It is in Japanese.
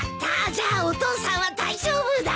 じゃあお父さんは大丈夫だ！